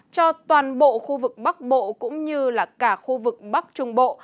cho toàn bộ khu vực bắc bộ cũng như là cả khu vực bắc trung bộ